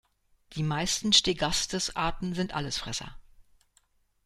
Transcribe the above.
Die meisten "Stegastes"-Arten sind Allesfresser.